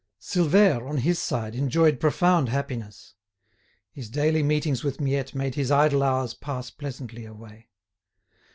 Silvère, on his side, enjoyed profound happiness. His daily meetings with Miette made his idle hours pass pleasantly away.